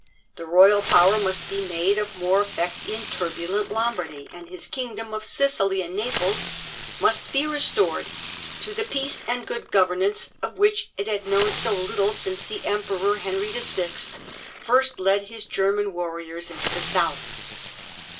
The royal power must be made of more effect in turbulent Lombardy, and his Kingdom of Sicily and Naples must be restored to the peace and good governance of which it had known so little since the Emperor Henry VI first led his German warriors into the South.